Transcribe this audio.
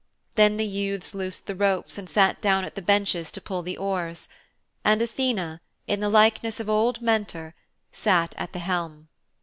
Then the youths loosed the ropes and sat down at the benches to pull the oars. And Athene, in the likeness of old Mentor, sat at the helm.